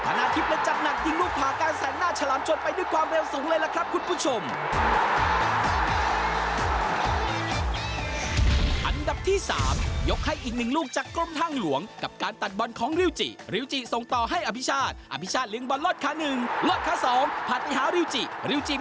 หลังนาทิพย์และจัดหนักนิ่งลูกขาการแสนะชาลันชนไปด้วยความเร็วสูงเลยละครับคุณผู้ชม